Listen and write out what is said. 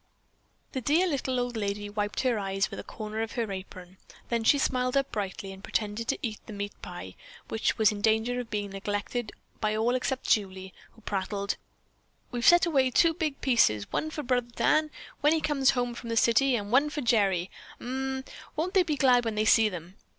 The dear little old lady wiped her eyes with a corner of her apron; then she smiled up brightly, and pretended to eat the meat pie, which was in danger of being neglected by all except Julie, who prattled, "We've set away two big pieces, one for brother Dan, when he comes home from the city, and one for Gerry. Umm, won't they be glad when they see them?